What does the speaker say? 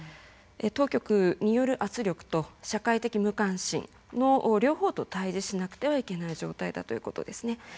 当局による圧力と社会的無関心の両方と対じしなくてはいけない状態だということですね。